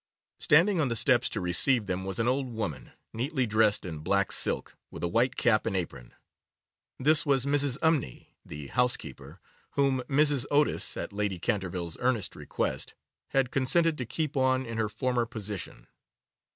Standing on the steps to receive them was an old woman, neatly dressed in black silk, with a white cap and apron. This was Mrs. Umney, the housekeeper, whom Mrs. Otis, at Lady Canterville's earnest request, had consented to keep on in her former position.